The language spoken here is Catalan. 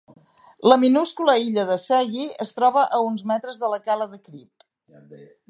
La minúscula illa de Seghy es troba a uns metres de la Cala de Cripp.